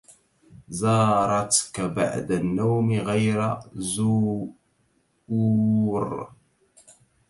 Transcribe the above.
زارتك بعد النوم غير زوور